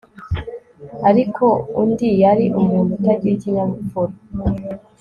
Ariko undi yari umuntu utagira ikinyabupfura